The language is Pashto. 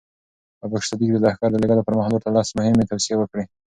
ابوبکر صدیق د لښکر د لېږلو پر مهال ورته لس مهمې توصیې وکړې.